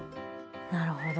なるほど。